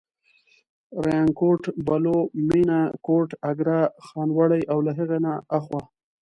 ریانکوټ، بلو، مېنه، کوټ، اګره، خانوړی او له هغې نه اخوا.